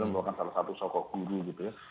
dia merupakan salah satu sokok guru gitu ya